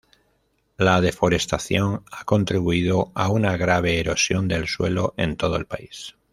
La deforestación ha contribuido a una grave erosión del suelo en todo el país.